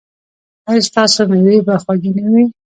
ایا ستاسو میوې به خوږې نه وي؟